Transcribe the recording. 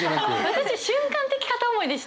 私瞬間的片思いでした。